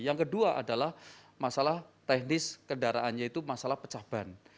yang kedua adalah masalah teknis kendaraan yaitu masalah pecah ban